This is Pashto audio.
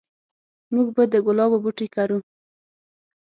موږ به د ګلابو بوټي کرو